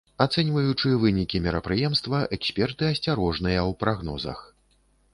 Ацэньваючы вынікі мерапрыемства, эксперты асцярожныя ў прагнозах.